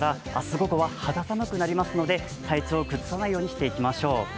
午後は肌寒くなりますので体調を崩さないようにしていきましょう。